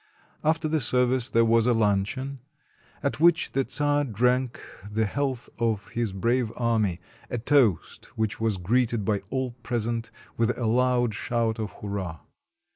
After the service there was a luncheon, at which the czar drank the health of his brave army — a toast which was greeted by all present with a loud shout of hurrah.